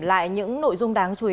về những nội dung đáng chú ý